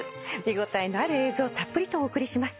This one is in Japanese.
見応えのある映像たっぷりとお送りします。